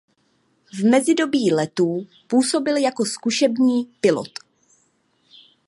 V mezidobí letů působil jako zkušební pilot.